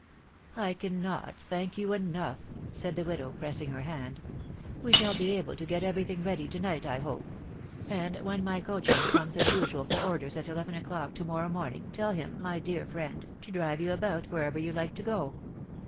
" I cannot thank you enough !" said the widow, pressing her hand .... We shall be able to get every thing ready to night I hope ; and when my coachman comes as usual for orders at eleven o'clock to morrow rooming, tell him, my dear friend, to drive you about wherever you like to go.